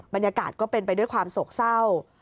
บรรยากาศก็เป็นไปด้วยความโศกเศร้า